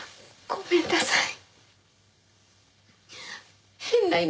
ごめんなさい。